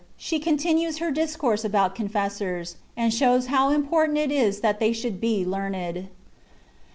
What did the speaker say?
SHE CONTINUES HER DIROOURRE ABOUT CONFESSORS, AND SHOWS HOW IMPORTANT IT IS THAT THET SHOULD BE LEARNED.